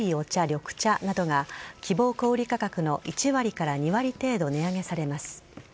緑茶などが希望小売価格の１割から２割程度値上げされます。